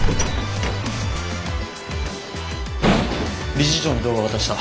理事長に動画渡した。